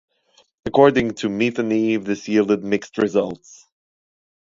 According to Metheny, this yielded mixed results.